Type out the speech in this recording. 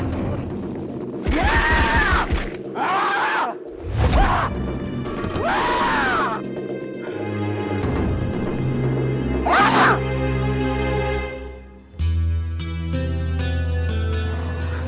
kau ini keroyok